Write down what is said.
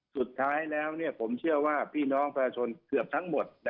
สุดท้ายแล้วผมเชื่อว่าพี่น้องประชาชนเกือบทั้งหมด